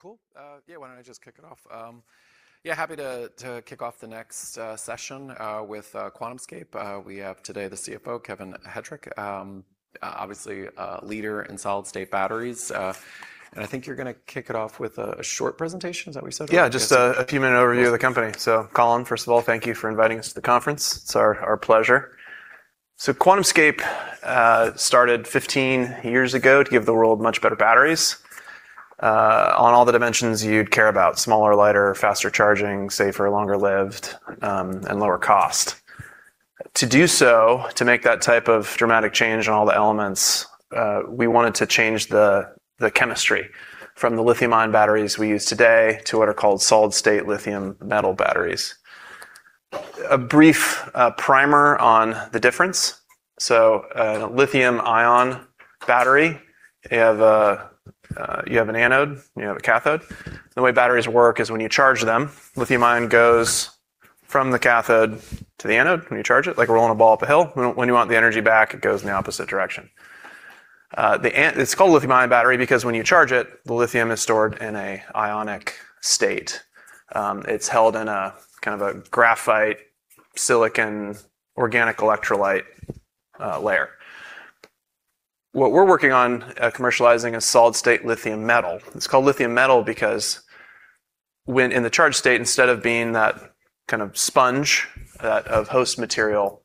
Cool. Why don't I just kick it off? Happy to kick off the next session with QuantumScape. We have today the CFO, Kevin Hettrich. Obviously, leader in solid-state batteries. I think you're going to kick it off with a short presentation. Is that what you said? Just a few minute overview of the company. Colin, first of all, thank you for inviting us to the conference. It's our pleasure. QuantumScape started 15 years ago to give the world much better batteries on all the dimensions you'd care about. Smaller, lighter, faster charging, safer, longer lived, and lower cost. To do so, to make that type of dramatic change on all the elements, we wanted to change the chemistry from the lithium-ion batteries we use today, to what are called solid-state lithium-metal batteries. A brief primer on the difference. In a lithium-ion battery, you have an anode, and you have a cathode. The way batteries work is when you charge them, lithium-ion goes from the cathode to the anode when you charge it, like rolling a ball up a hill. When you want the energy back, it goes in the opposite direction. It's called a lithium-ion battery because when you charge it, the lithium is stored in an ionic state. It's held in a graphite silicon organic electrolyte layer. What we're working on commercializing a solid-state lithium-metal. It's called lithium metal because when in the charged state, instead of being that kind of sponge of host material,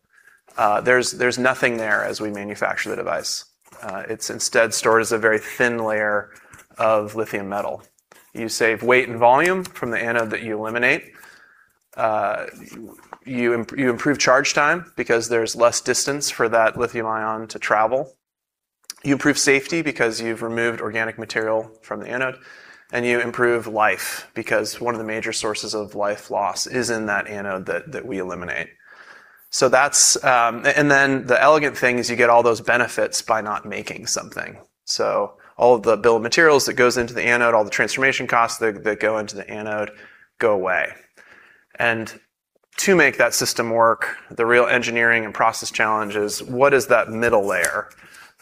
there's nothing there as we manufacture the device. It's instead stored as a very thin layer of lithium metal. You save weight and volume from the anode that you eliminate. You improve charge time because there's less distance for that lithium-ion to travel. You improve safety because you've removed organic material from the anode, and you improve life because one of the major sources of life loss is in that anode that we eliminate. Then the elegant thing is you get all those benefits by not making something. All of the bill of materials that goes into the anode, all the transformation costs that go into the anode go away. To make that system work, the real engineering and process challenge is what is that middle layer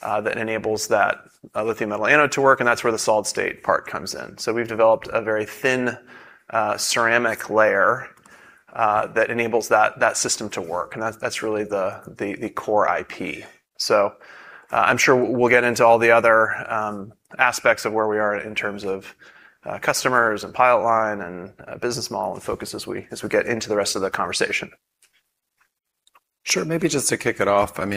that enables that lithium-metal anode to work, and that's where the solid-state part comes in. We've developed a very thin ceramic layer that enables that system to work, and that's really the core IP. I'm sure we'll get into all the other aspects of where we are in terms of customers and pilot line and business model and focus as we get into the rest of the conversation. Sure. Maybe just to kick it off, was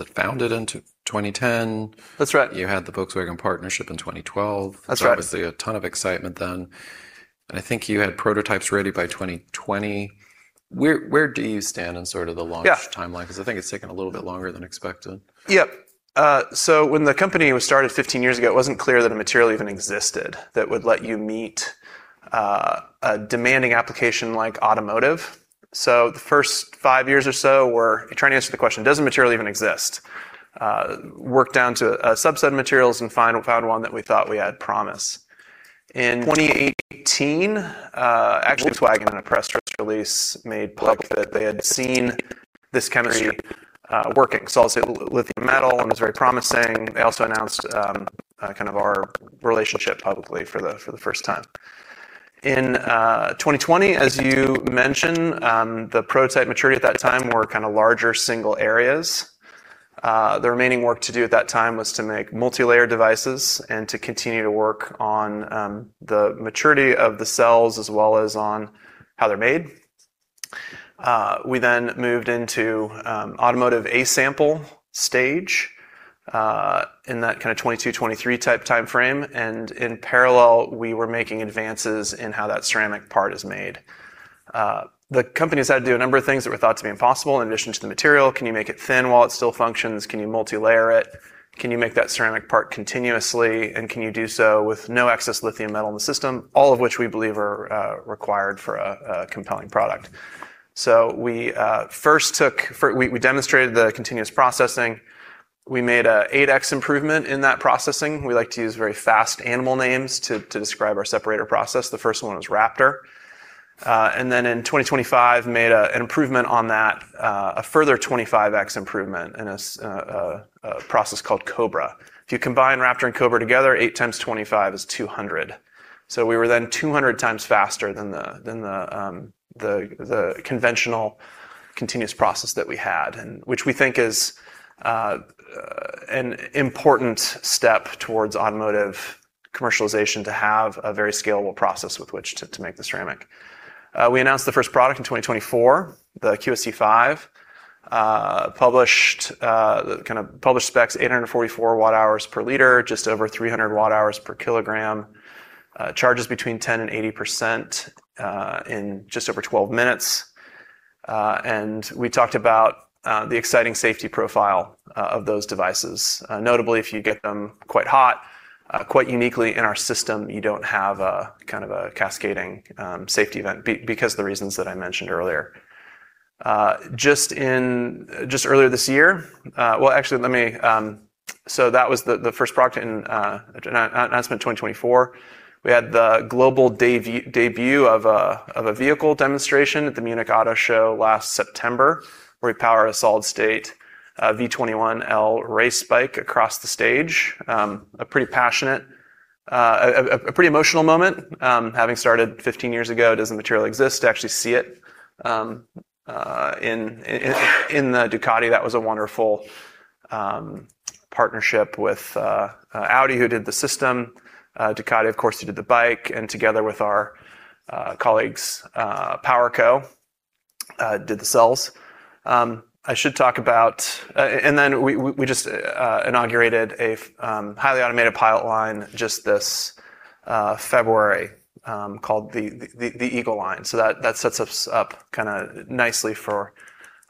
it founded in 2010? That's right. You had the Volkswagen partnership in 2012. That's right. Obviously a ton of excitement then. I think you had prototypes ready by 2020. Where do you stand in sort of the launch- Yeah -timeline? I think it's taken a little bit longer than expected. Yep. When the company was started 15 years ago, it wasn't clear that a material even existed that would let you meet a demanding application like automotive. The first five years or so were trying to answer the question, does the material even exist? Worked down to a subset of materials and found one that we thought we had promise. In 2018, actually, Volkswagen in a press release made public that they had seen this chemistry working. Solid-state lithium-metal and was very promising. They also announced our relationship publicly for the first time. In 2020, as you mentioned, the prototype maturity at that time were larger single areas. The remaining work to do at that time was to make multilayer devices and to continue to work on the maturity of the cells as well as on how they're made. We moved into automotive A-sample stage, in that kind of 2022, 2023 type timeframe. In parallel, we were making advances in how that ceramic part is made. The company's had to do a number of things that were thought to be impossible in addition to the material. Can you make it thin while it still functions? Can you multilayer it? Can you make that ceramic part continuously, and can you do so with no excess lithium-metal in the system? All of which we believe are required for a compelling product. We demonstrated the continuous processing. We made a 8x improvement in that processing. We like to use very fast animal names to describe our separator process. The first one was Raptor. Then in 2025 made an improvement on that, a further 25x improvement in a process called Cobra. If you combine Raptor and Cobra together, 8 times 25 is 200. We were then 200x faster than the conventional continuous process that we had, which we think is an important step towards automotive commercialization, to have a very scalable process with which to make the ceramic. We announced the first product in 2024, the QSC-5. Published specs 844 Wh per liter, just over 300 Wh per kilogram. Charges between 10% and 80% in just over 12 minutes. We talked about the exciting safety profile of those devices. Notably, if you get them quite hot, quite uniquely in our system, you don't have a cascading safety event because of the reasons that I mentioned earlier. That was the first product announcement in 2024. We had the global debut of a vehicle demonstration at the Munich Auto Show last September, where we powered a solid-state V21L race bike across the stage. A pretty emotional moment, having started 15 years ago, does the material exist to actually see it in the Ducati? That was a wonderful partnership with Audi, who did the system. Ducati, of course, who did the bike, and together with our colleagues, PowerCo did the cells. We just inaugurated a highly automated pilot line just this February, called the Eagle Line. That sets us up nicely for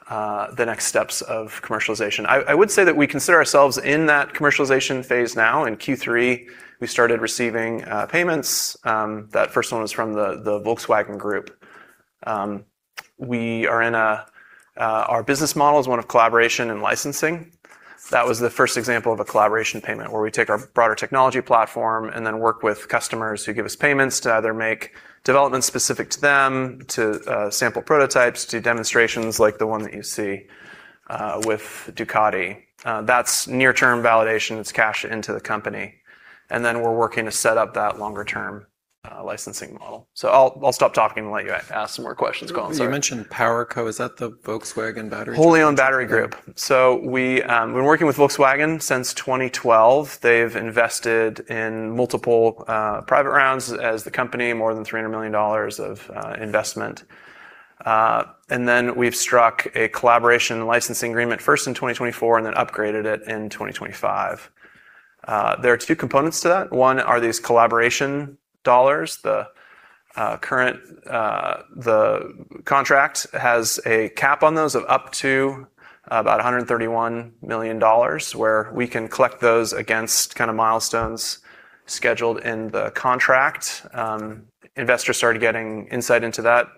the next steps of commercialization. I would say that we consider ourselves in that commercialization phase now. In Q3, we started receiving payments. That first one was from the Volkswagen Group. Our business model is one of collaboration and licensing. That was the first example of a collaboration payment, where we take our broader technology platform and then work with customers who give us payments to either make development specific to them, to sample prototypes, do demonstrations like the one that you see with Ducati. That's near-term validation. It's cash into the company. Then we're working to set up that longer-term licensing model. I'll stop talking and let you ask some more questions, Colin. Sorry. You mentioned PowerCo. Is that the Volkswagen battery? Holy on Battery Group. We've been working with Volkswagen since 2012. They've invested in multiple private rounds as the company, more than $300 million of investment. We've struck a collaboration licensing agreement, first in 2024, then upgraded it in 2025. There are two components to that. One are these collaboration dollars. The contract has a cap on those of up to about $131 million, where we can collect those against milestones scheduled in the contract. Investors started getting insight into that,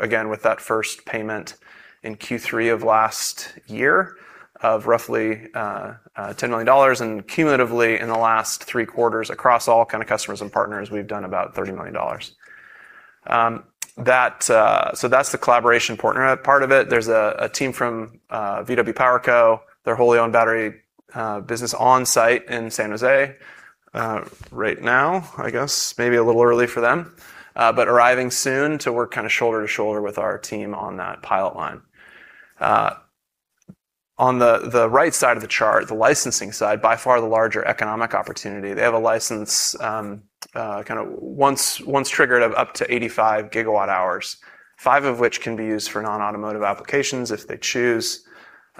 again, with that first payment in Q3 of last year of roughly $10 million. Cumulatively, in the last three quarters across all kind of customers and partners, we've done about $30 million. That's the collaboration partner part of it. There's a team from VW PowerCo. They're a wholly owned battery business on-site in San Jose right now, I guess. Maybe a little early for them. Arriving soon to work shoulder to shoulder with our team on that pilot line. On the right side of the chart, the licensing side, by far the larger economic opportunity. They have a license, once triggered, of up to 85 GWh, 5 GWh of which can be used for non-automotive applications if they choose.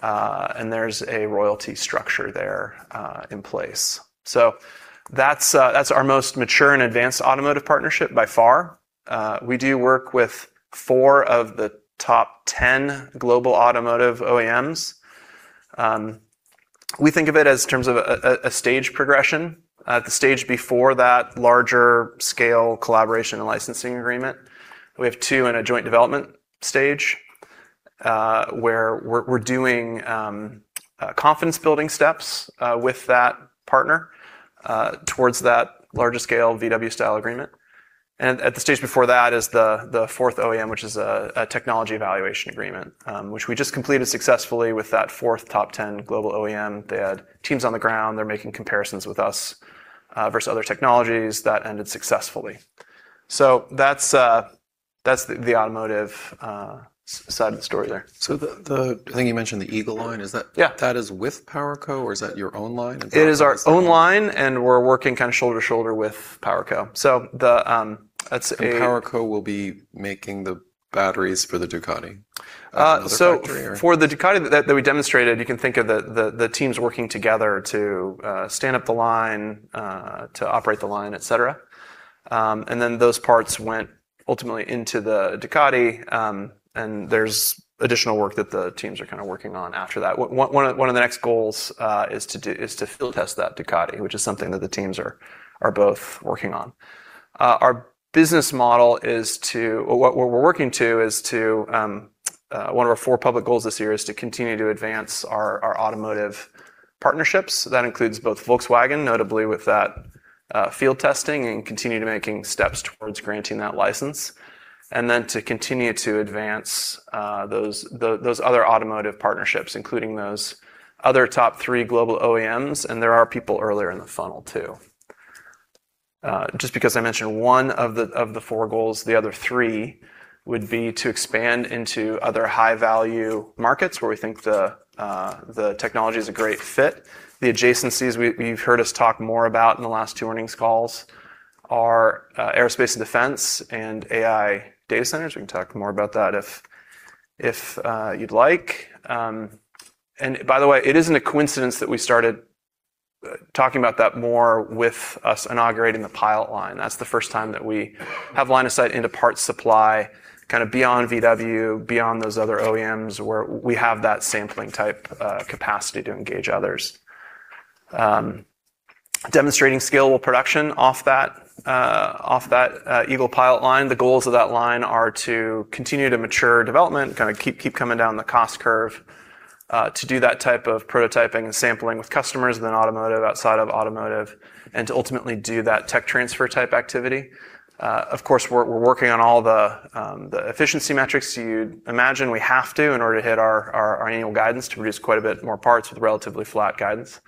There's a royalty structure there in place. That's our most mature and advanced automotive partnership by far. We do work with four of the top 10 global automotive OEMs. We think of it as terms of a stage progression. At the stage before that larger scale collaboration and licensing agreement, we have two in a joint development stage, where we're doing confidence-building steps with that partner towards that larger scale VW-style agreement. At the stage before that is the fourth OEM, which is a technology evaluation agreement, which we just completed successfully with that fourth top 10 global OEM. They had teams on the ground. They're making comparisons with us versus other technologies. That ended successfully. That's the automotive side of the story there. The thing you mentioned, the Eagle Line, is that- Yeah -that is with PowerCo or is that your own line? It is our own line and we're working shoulder to shoulder with PowerCo. PowerCo will be making the batteries for the Ducati at another factory or? For the Ducati that we demonstrated, you can think of the teams working together to stand up the line, to operate the line, et cetera. Those parts went ultimately into the Ducati, and there's additional work that the teams are working on after that. One of the next goals is to field test that Ducati, which is something that the teams are both working on. Our business model is to- well, what we're working to is to one of our four public goals this year is to continue to advance our automotive partnerships. That includes both Volkswagen, notably with that field testing and continue to making steps towards granting that license, and then to continue to advance those other automotive partnerships, including those other top three global OEMs. There are people earlier in the funnel, too. Just because I mentioned one of the four goals, the other three would be to expand into other high-value markets where we think the technology is a great fit. The adjacencies we've heard us talk more about in the last two earnings calls are aerospace and defense and AI data centers. We can talk more about that if you'd like. By the way, it isn't a coincidence that we started talking about that more with us inaugurating the pilot line. That's the first time that we have line of sight into parts supply, beyond VW, beyond those other OEMs, where we have that sampling-type capacity to engage others. Demonstrating scalable production off that Eagle pilot line. The goals of that line are to continue to mature development, keep coming down the cost curve, to do that type of prototyping and sampling with customers within automotive, outside of automotive, and to ultimately do that tech transfer-type activity. Of course, we're working on all the efficiency metrics you'd imagine we have to in order to hit our annual guidance to produce quite a bit more parts with relatively flat guidance.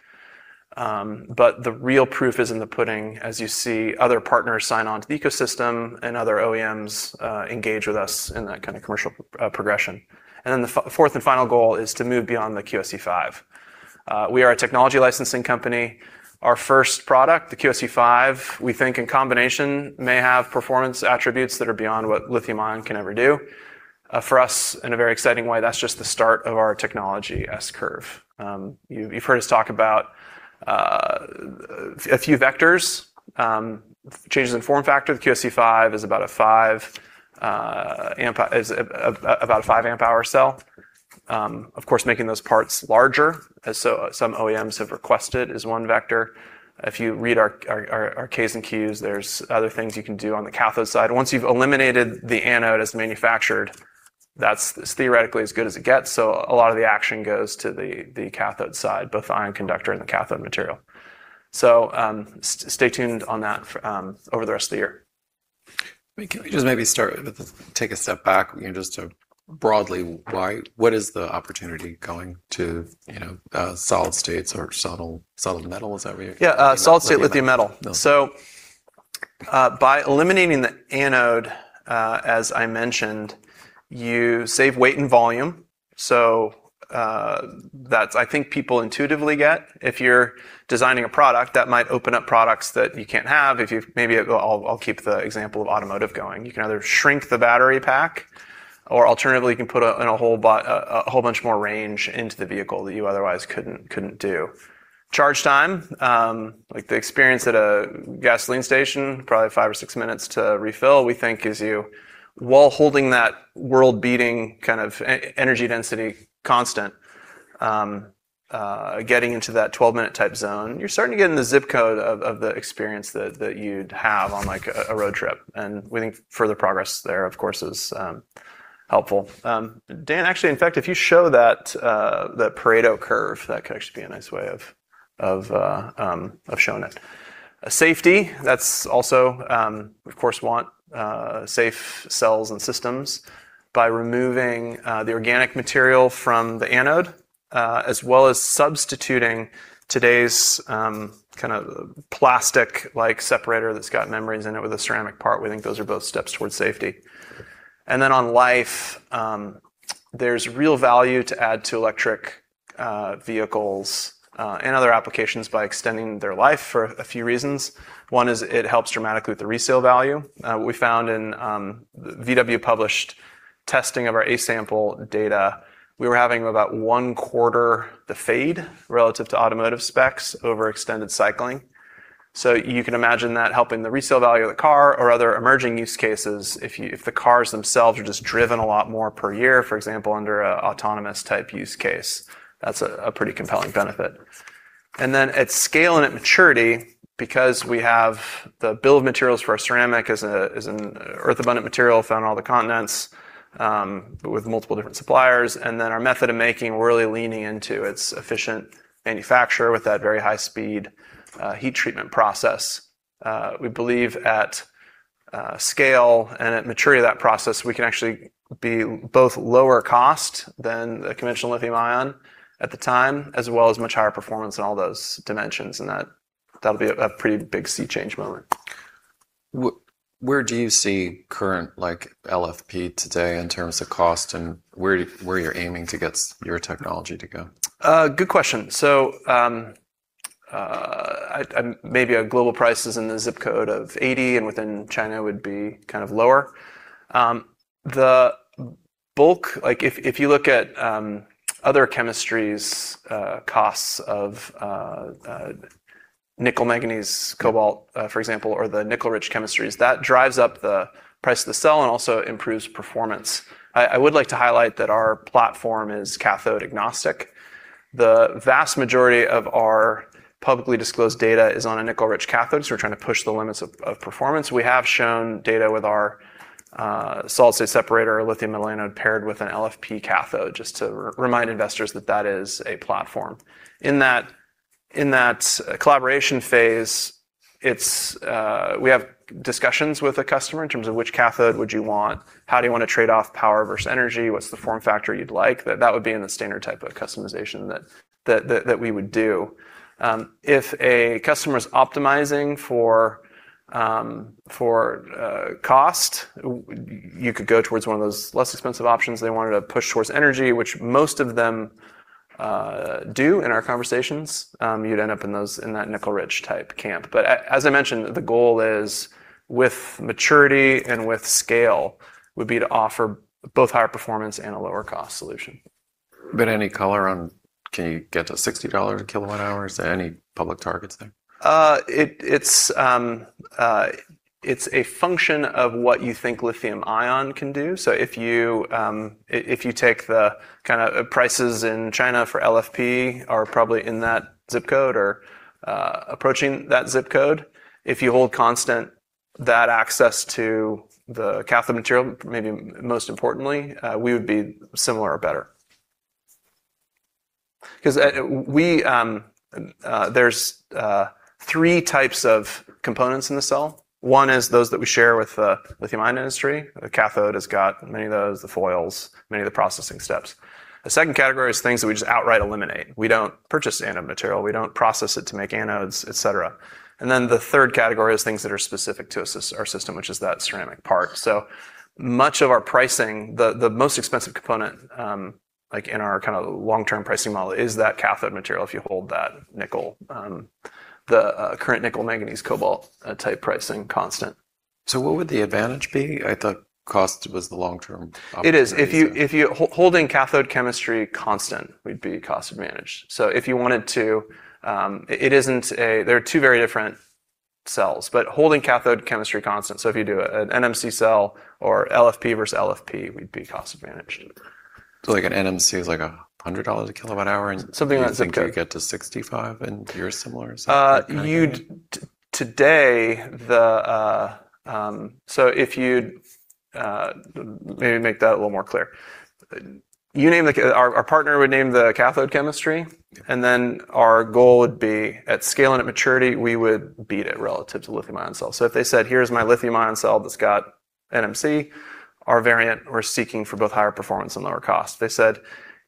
The real proof is in the pudding as you see other partners sign on to the ecosystem and other OEMs engage with us in that kind of commercial progression. Then the fourth and final goal is to move beyond the QSE-5. We are a technology licensing company. Our first product, the QSE-5, we think in combination may have performance attributes that are beyond what lithium-ion can ever do. For us, in a very exciting way, that's just the start of our technology S-curve. You've heard us talk about a few vectors. Changes in form factor. The QSE-5 is about a 5 amp hour cell. Of course, making those parts larger, as some OEMs have requested, is one vector. If you read our K's and Q's, there's other things you can do on the cathode side. Once you've eliminated the anode as manufactured, that's theoretically as good as it gets, so a lot of the action goes to the cathode side, both the ion conductor and the cathode material. Stay tuned on that over the rest of the year. Can we just maybe start with, take a step back, just to broadly, what is the opportunity going solid-state or solid metal- Yeah. Solid-state lithium metal. -lithium metal. By eliminating the anode, as I mentioned, you save weight and volume. That, I think people intuitively get, if you're designing a product that might open up products that you can't have, if you Maybe I'll keep the example of automotive going. You can either shrink the battery pack, or alternatively, you can put in a whole bunch more range into the vehicle that you otherwise couldn't do. Charge time, like the experience at a gasoline station, probably five or six minutes to refill, we think is you, while holding that world-beating energy density constant, getting into that 12-minute type zone. You're starting to get into the zip code of the experience that you'd have on a road trip, we think further progress there, of course, is helpful. Dan, actually, in fact, if you show that Pareto curve, that could actually be a nice way of showing it. Safety. That's also, of course, we want safe cells and systems. By removing the organic material from the anode, as well as substituting today's plastic-like separator that's got membranes in it with a ceramic part, we think those are both steps towards safety. On life, there's real value to add to electric vehicles and other applications by extending their life for a few reasons. One is it helps dramatically with the resale value. We found in VW published testing of our A-sample data, we were having about one quarter the fade relative to automotive specs over extended cycling. You can imagine that helping the resale value of the car or other emerging use cases if the cars themselves are just driven a lot more per year, for example, under an autonomous type use case. That's a pretty compelling benefit. At scale and at maturity, because we have the bill of materials for our ceramic as an earth abundant material found in all the continents, but with multiple different suppliers. Our method of making, we're really leaning into its efficient manufacture with that very high speed heat treatment process. We believe at scale and at maturity of that process, we can actually be both lower cost than the conventional lithium-ion at the time, as well as much higher performance in all those dimensions, and that'll be a pretty big sea change moment. Where do you see current LFP today in terms of cost, and where you're aiming to get your technology to go? Good question. Maybe a global price is in the zip code of $80, and within China would be lower. The bulk, if you look at other chemistries' costs of nickel manganese cobalt, for example, or the nickel-rich chemistries, that drives up the price of the cell and also improves performance. I would like to highlight that our platform is cathode-agnostic. The vast majority of our publicly disclosed data is on a nickel-rich cathode, so we're trying to push the limits of performance. We have shown data with our solid-state separator or lithium-metal anode paired with an LFP cathode, just to remind investors that that is a platform. In that collaboration phase, we have discussions with a customer in terms of which cathode would you want, how do you want to trade off power versus energy, what's the form factor you'd like? That would be in the standard type of customization that we would do. If a customer's optimizing for cost, you could go towards one of those less expensive options. If they wanted to push towards energy, which most of them do in our conversations, you'd end up in that nickel-rich type camp. As I mentioned, the goal is with maturity and with scale, would be to offer both higher performance and a lower cost solution. Any color on, can you get to $60 a kilowatt hour? Is there any public targets there? It's a function of what you think lithium-ion can do. If you take the prices in China for LFP are probably in that zip code or approaching that zip code. If you hold constant that access to the cathode material, maybe most importantly, we would be similar or better. There's three types of components in the cell. One is those that we share with the lithium-ion industry. The cathode has got many of those, the foils, many of the processing steps. The second category is things that we just outright eliminate. We don't purchase anode material, we don't process it to make anodes, et cetera. The third category is things that are specific to our system, which is that ceramic part. Much of our pricing, the most expensive component, like in our kind of long-term pricing model, is that cathode material, if you hold that nickel, the current nickel manganese cobalt type pricing constant. What would the advantage be? I thought cost was the long-term opportunity. It is. Holding cathode chemistry constant, we'd be cost advantage. If you wanted to, they're two very different cells, but holding cathode chemistry constant, if you do an NMC cell or LFP versus LFP, we'd be cost advantage. Like an NMC is like $100 a kilowatt hour and- you think you get to $65 and you're similar? Maybe make that a little more clear. Our partner would name the cathode chemistry, and then our goal would be at scale and at maturity, we would beat it relative to lithium-ion cells. If they said, "Here's my lithium-ion cell that's got NMC," our variant, we're seeking for both higher performance and lower cost. If they said,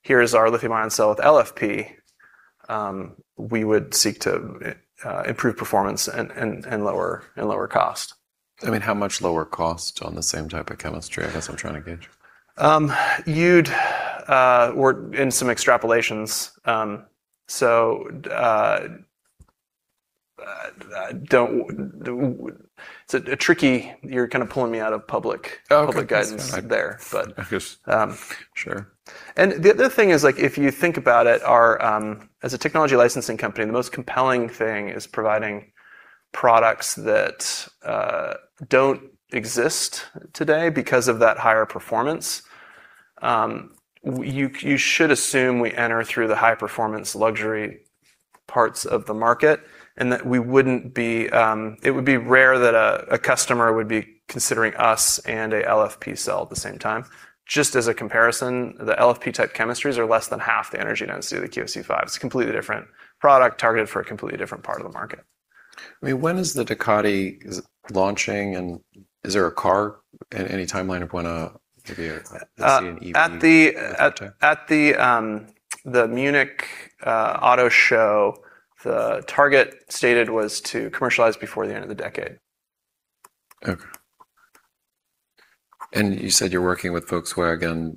"Here's our lithium-ion cell with LFP," we would seek to improve performance and lower cost. How much lower cost on the same type of chemistry? I guess I'm trying to gauge. We're in some extrapolations. It's tricky, you're kind of pulling me out of public- Okay -public guidance there. I guess. Sure. The other thing is like, if you think about it, as a technology licensing company, the most compelling thing is providing products that don't exist today because of that higher performance. You should assume we enter through the high-performance luxury parts of the market, and that it would be rare that a customer would be considering us and an LFP cell at the same time. Just as a comparison, the LFP type chemistries are less than half the energy density of the QSE-5. It's a completely different product targeted for a completely different part of the market. When is the Ducati launching, and is there a car, any timeline of when maybe see an EV of that type? At the Munich Auto Show, the target stated was to commercialize before the end of the decade. You said you're working with Volkswagen,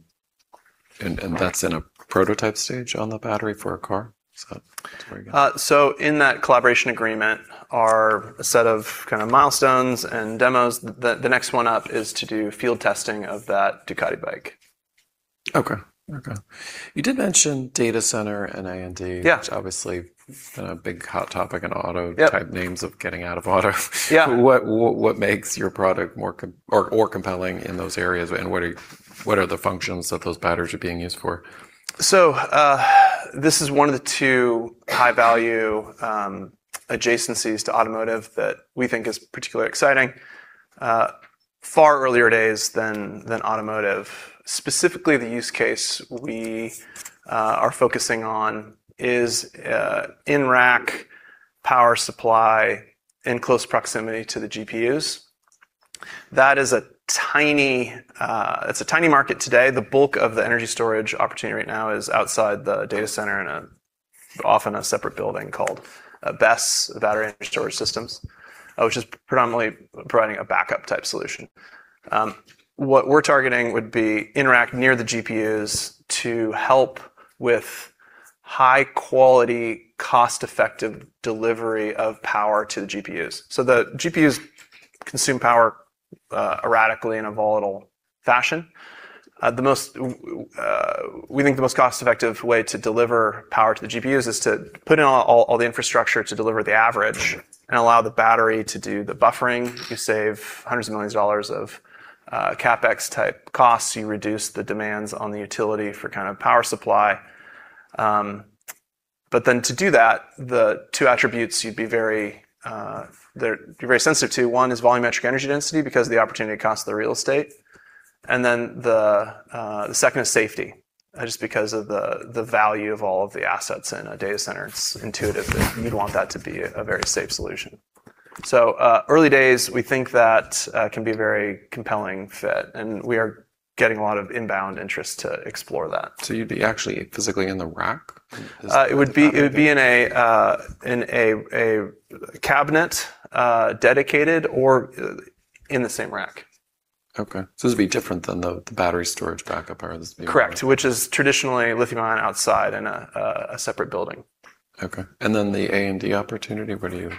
and that's in a prototype stage on the battery for a car? Is that where you're going? In that collaboration agreement are a set of kind of milestones and demos. The next one up is to do field testing of that Ducati bike. Okay. You did mention data center and A&D- Yeah -which obviously has been a big hot topic in auto- Yeah -type names of getting out of auto. Yeah. What makes your product more compelling in those areas, and what are the functions that those batteries are being used for? This is one of the two high-value adjacencies to automotive that we think is particularly exciting. Far earlier days than automotive. Specifically, the use case we are focusing on is in-rack power supply in close proximity to the GPUs. That is a tiny market today. The bulk of the energy storage opportunity right now is outside the data center in often a separate building called a BESS, battery energy storage systems, which is predominantly providing a backup type solution. What we're targeting would be in-rack near the GPUs to help with high-quality, cost-effective delivery of power to the GPUs. The GPUs consume power erratically in a volatile fashion. We think the most cost-effective way to deliver power to the GPUs is to put in all the infrastructure to deliver the average and allow the battery to do the buffering. You save $hundreds of millions of CapEx type costs. You reduce the demands on the utility for power supply. To do that, the two attributes you'd be very sensitive to, one is volumetric energy density because of the opportunity cost of the real estate. The second is safety, just because of the value of all of the assets in a data center. It's intuitive that you'd want that to be a very safe solution. Early days, we think that can be a very compelling fit, and we are getting a lot of inbound interest to explore that. You'd be actually physically in the rack? Is that the idea? It would be in a cabinet, dedicated, or in the same rack. Okay. This would be different than the battery storage backup? Correct, which is traditionally lithium-ion outside in a separate building. Okay. Then the A&D opportunity, would you?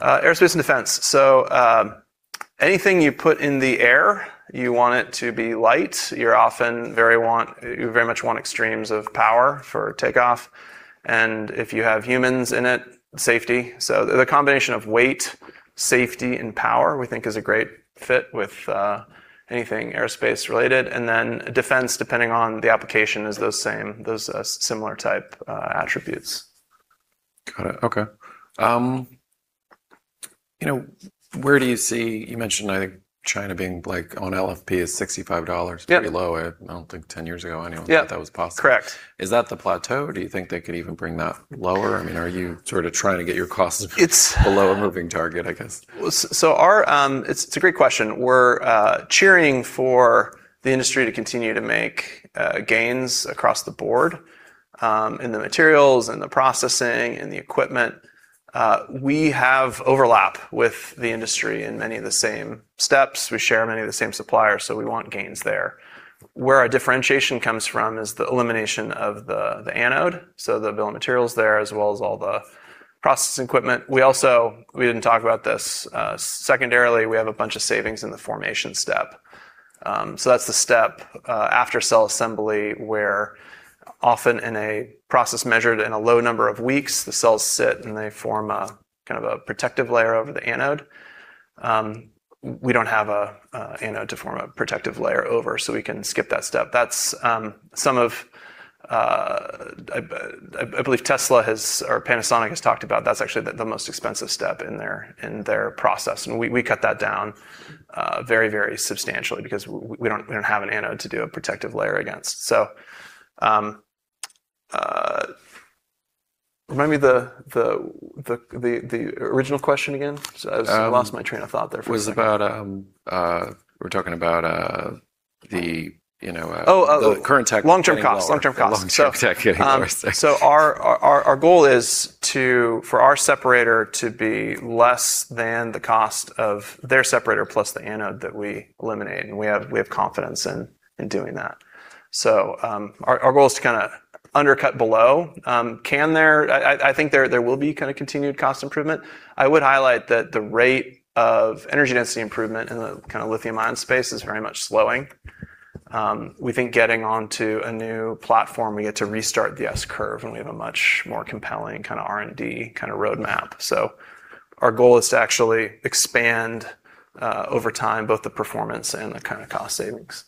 Aerospace and defense. Anything you put in the air, you want it to be light. You very much want extremes of power for takeoff. If you have humans in it, safety. The combination of weight, safety, and power we think is a great fit with anything aerospace related. Then defense, depending on the application, is those similar type attributes. Got it. Okay. Where do you see, you mentioned, I think China being on LFP is $65- Yeah -pretty low. I don't think 10 years ago anyone- Yeah -thought that was possible. Correct. Is that the plateau? Do you think they could even bring that lower? I mean, are you sort of trying to get your costs - It's - -below a moving target, I guess? It's a great question. We're cheering for the industry to continue to make gains across the board in the materials, in the processing, in the equipment. We have overlap with the industry in many of the same steps. We share many of the same suppliers, so we want gains there. Where our differentiation comes from is the elimination of the anode, so the bill of materials there, as well as all the process equipment. We didn't talk about this, secondarily, we have a bunch of savings in the formation step. That's the step after cell assembly where often in a process measured in a low number of weeks, the cells sit and they form a kind of protective layer over the anode. We don't have an anode to form a protective layer over, so we can skip that step. I believe Tesla has, or Panasonic has talked about, that's actually the most expensive step in their process, and we cut that down very substantially because we don't have an anode to do a protective layer against. Remind me the original question again. I lost my train of thought there for a second. We were talking about the- Oh -the current tech getting lower. Long-term costs. Long-term tech getting lower Our goal is for our separator to be less than the cost of their separator plus the anode that we eliminate, and we have confidence in doing that. Our goal is to kind of undercut below. I think there will be continued cost improvement. I would highlight that the rate of energy density improvement in the lithium-ion space is very much slowing. We think getting onto a new platform, we get to restart the S curve, and we have a much more compelling R&D kind of roadmap. Our goal is to actually expand, over time, both the performance and the kind of cost savings.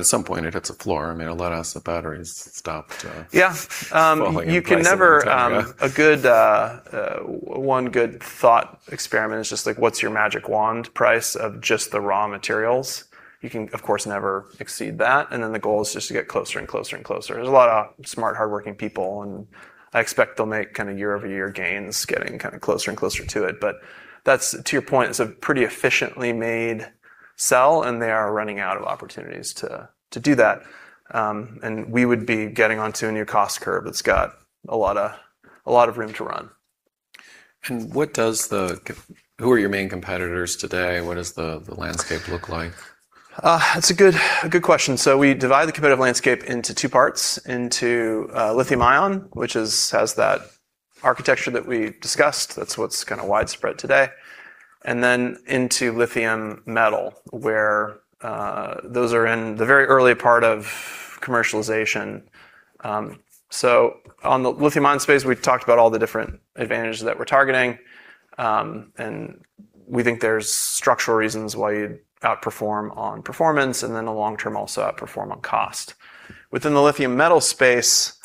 At some point it hits a floor. I mean, a lead acid battery is stopped- Yeah. You can never- -falling in price every time. Yeah -one good thought experiment is just what's your magic wand price of just the raw materials? You can, of course, never exceed that, and then the goal is just to get closer and closer and closer. There's a lot of smart, hardworking people, and I expect they'll make year-over-year gains getting closer and closer to it. That's, to your point, it's a pretty efficiently made cell, and they are running out of opportunities to do that. We would be getting onto a new cost curve that's got a lot of room to run. Who are your main competitors today? What does the landscape look like? That's a good question. We divide the competitive landscape into two parts, into lithium-ion, which has that architecture that we discussed. That's what's widespread today. Then into lithium metal, where those are in the very early part of commercialization. On the lithium-ion space, we've talked about all the different advantages that we're targeting. We think there's structural reasons why you'd outperform on performance and then the long-term also outperform on cost. Within the lithium metal space,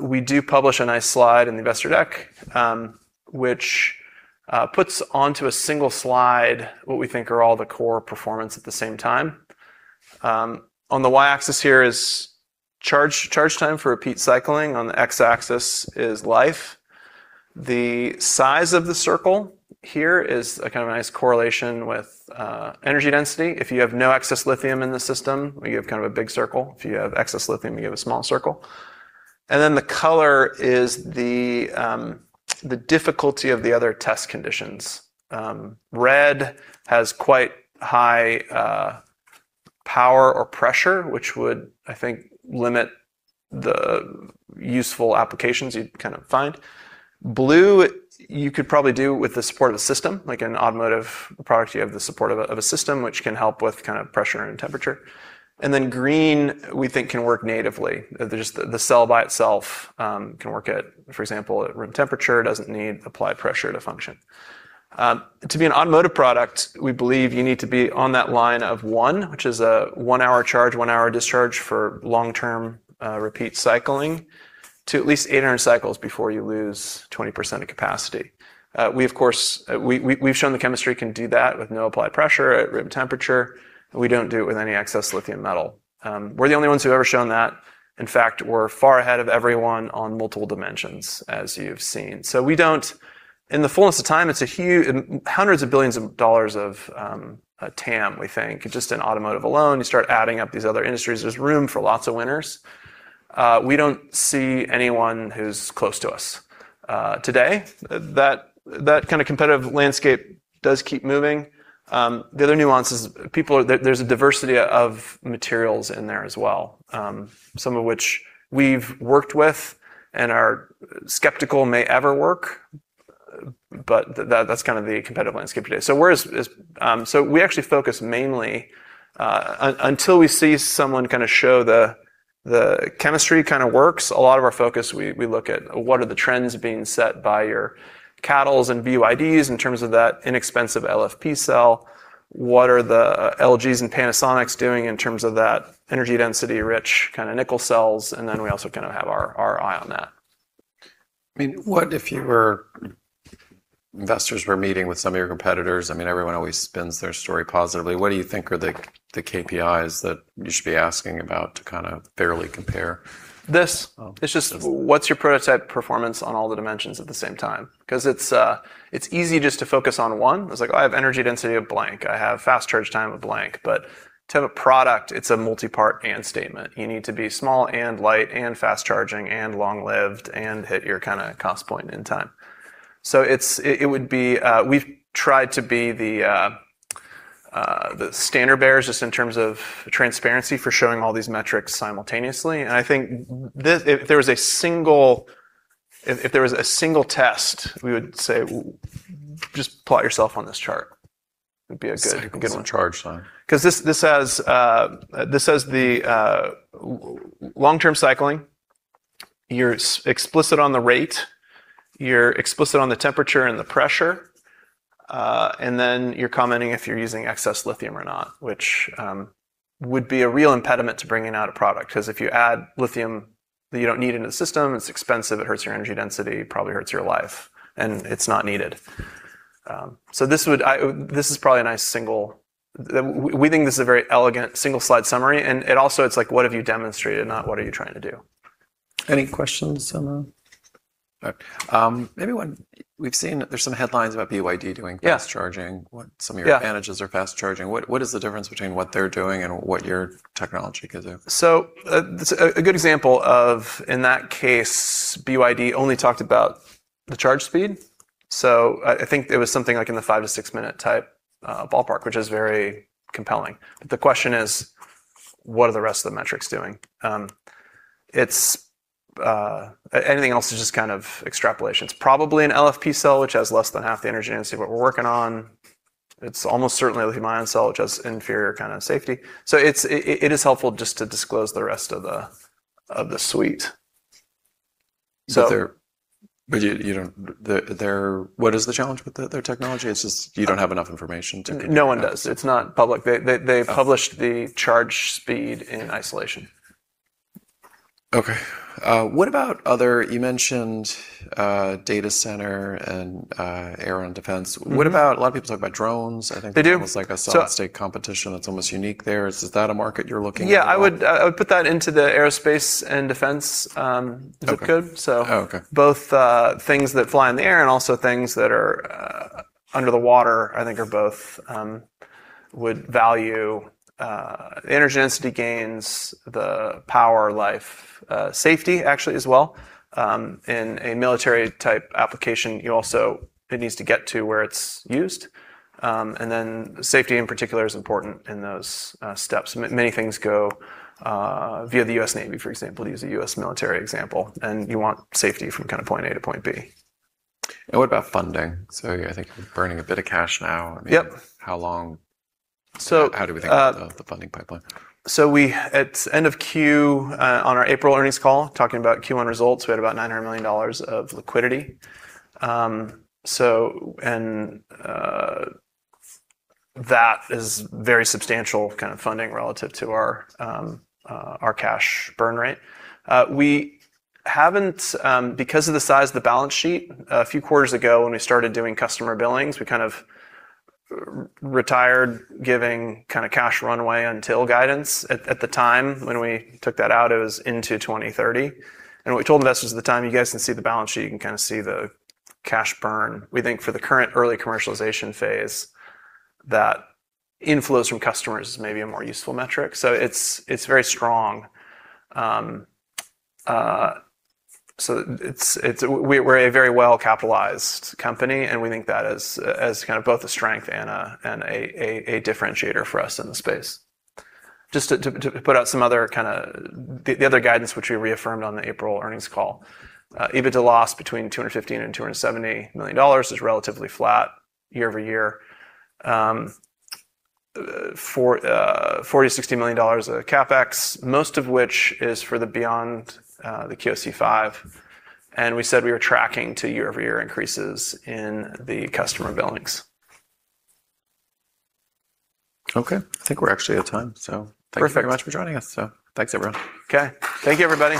we do publish a nice slide in the investor deck, which puts onto a single slide what we think are all the core performance at the same time. On the y-axis here is charge time for repeat cycling. On the x-axis is life. The size of the circle here is a kind of a nice correlation with energy density. If you have no excess lithium in the system, you have a big circle. If you have excess lithium, you have a small circle. The color is the difficulty of the other test conditions. Red has quite high power or pressure, which would, I think, limit the useful applications you'd kind of find. Blue you could probably do with the support of the system. Like an automotive product, you have the support of a system which can help with pressure and temperature. Green we think can work natively. The cell by itself can work at, for example, at room temperature, doesn't need applied pressure to function. To be an automotive product, we believe you need to be on that line of one, which is a one-hour charge, one-hour discharge for long-term repeat cycling, to at least 800 cycles before you lose 20% of capacity. We've shown the chemistry can do that with no applied pressure at room temperature. We don't do it with any excess lithium metal. We're the only ones who've ever shown that. In fact, we're far ahead of everyone on multiple dimensions, as you've seen. In the fullness of time, it's hundreds of billions of dollars of TAM, we think, just in automotive alone. You start adding up these other industries, there's room for lots of winners. We don't see anyone who's close to us. Today, that kind of competitive landscape does keep moving. The other nuance is there's a diversity of materials in there as well. Some of which we've worked with and are skeptical may ever work. That's kind of the competitive landscape today. We actually focus mainly, until we see someone show the chemistry works, a lot of our focus, we look at what are the trends being set by your CATL and BYD in terms of that inexpensive LFP cell. What are the LG and Panasonics doing in terms of that energy density rich kind of nickel cells, then we also have our eye on that. What if investors were meeting with some of your competitors, everyone always spins their story positively. What do you think are the KPIs that you should be asking about to fairly compare? It's just what's your prototype performance on all the dimensions at the same time. It's easy just to focus on one. It's like, "Oh, I have energy density of blank. I have fast charge time of blank." To have a product, it's a multipart and statement. You need to be small and light and fast charging and long-lived and hit your cost point in time. We've tried to be the standard bearers, just in terms of transparency for showing all these metrics simultaneously. I think if there was a single test, we would say, "Just plot yourself on this chart." It'd be a good one. Cycle some charge time. This has the long-term cycling. You're explicit on the rate, you're explicit on the temperature and the pressure. Then you're commenting if you're using excess lithium or not, which would be a real impediment to bringing out a product. If you add lithium that you don't need in a system, it's expensive, it hurts your energy density, probably hurts your life, and it's not needed. We think this is a very elegant single slide summary, it also, it's like, what have you demonstrated, not what are you trying to do. Any questions? I don't know. All right. We've seen there's some headlines about BYD doing- Yeah -fast charging. Yeah. Some of your advantages are fast charging. What is the difference between what they're doing and what your technology can do? A good example of, in that case, BYD only talked about the charge speed. I think it was something like in the five to six-minute type, ballpark, which is very compelling. But the question is, what are the rest of the metrics doing? Anything else is just kind of extrapolation. It's probably an LFP cell, which has less than half the energy density of what we're working on. It's almost certainly a lithium-ion cell, which has inferior safety. It is helpful just to disclose the rest of the suite. What is the challenge with their technology? It's just you don't have enough information. No one does. It's not public. Oh. They published the charge speed in isolation. Okay. You mentioned data center and Air & Defence. A lot of people talk about drones. They do. I think there's almost like a solid-state competition that's almost unique there. Is that a market you're looking at now? Yeah. I would put that into the aerospace and defense, if it could. Oh, okay. Both things that fly in the air and also things that are under the water, I think are both, would value, energy density gains, the power life, safety, actually as well. In a military type application, it needs to get to where it's used. Safety, in particular, is important in those steps. Many things go via the U.S. Navy, for example, to use a U.S. military example, and you want safety from point A to point B. What about funding? I think you're burning a bit of cash now. Yep. How long? So- How do we think about the funding pipeline? At end of Q, on our April earnings call talking about Q1 results, we had about $900 million of liquidity. That is very substantial funding relative to our cash burn rate. Because of the size of the balance sheet, a few quarters ago, when we started doing customer billings, we kind of retired giving cash runway until guidance. At the time when we took that out, it was into 2030. What we told investors at the time, you guys can see the balance sheet, you can see the cash burn. We think for the current early commercialization phase, that inflows from customers is maybe a more useful metric. It's very strong. We're a very well-capitalized company, and we think that as both a strength and a differentiator for us in the space. Just to put out the other guidance, which we reaffirmed on the April earnings call. EBITDA loss between $250 million and $270 million is relatively flat year-over-year. $40 million-$60 million of CapEx, most of which is for the beyond, the QSE-5. We said we were tracking to year-over-year increases in the customer billings. Okay. I think we're actually out of time. Perfect. Thank you very much for joining us. Thanks everyone. Okay. Thank you, everybody.